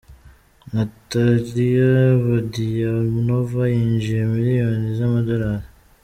Natalia Vodianova: yinjije miliyoni , z’amadorali.